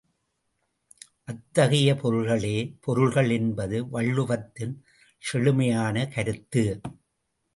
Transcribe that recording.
அத்தகைய பொருள்களே பொருள்கள் என்பது வள்ளுவத்தின் செழுமையான கருத்து.